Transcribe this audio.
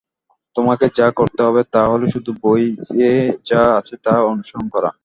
তোমাকে যা করতে হবে তা হলো শুধু বইয়ে যা আছে তা অনুসরন করা।